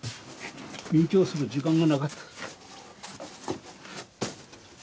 勉強する時間がなかった。